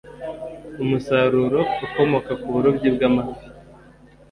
Umusaruro ukomoka ku burobyi bwamafi